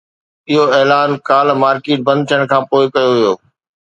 اهو اعلان ڪالهه مارڪيٽ بند ٿيڻ کانپوءِ ڪيو ويو